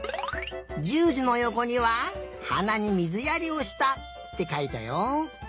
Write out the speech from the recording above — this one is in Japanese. １０じのよこには「はなにみずやりをした」ってかいたよ。